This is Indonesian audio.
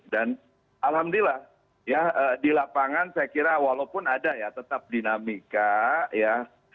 dan alhamdulillah ya di lapangan saya kira walaupun ada ya tetap dinamika ya